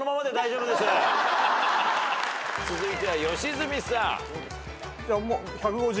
続いては良純さん。